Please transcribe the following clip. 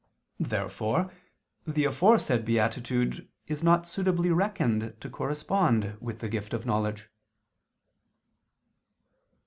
Therefore the aforesaid beatitude is not suitably reckoned to correspond with the gift of knowledge.